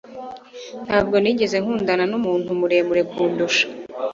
Ntabwo nigeze nkundana numuntu muremure kundusha.